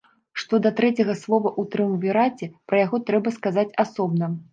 Што да трэцяга слова ў трыумвіраце, пра яго трэба сказаць асобна.